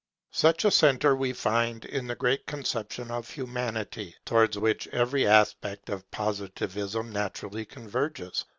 Such a centre we find in the great conception of Humanity, towards which every aspect of Positivism naturally converges.